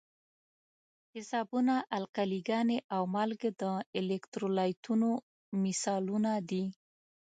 تیزابونه، القلي ګانې او مالګې د الکترولیتونو مثالونه دي.